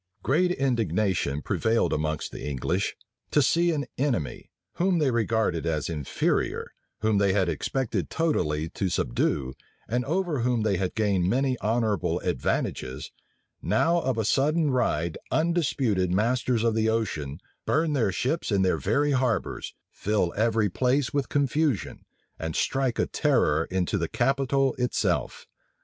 * Temple, vol. ii. p. 41. Great indignation prevailed amongst the English, to see an enemy, whom they regarded as inferior, whom they had expected totally to subdue, and over whom they had gained many honorable advantages, now of a sudden ride undisputed masters of the ocean, burn their ships in their very harbors, fill every place with confusion, and strike a terror into the capital itself.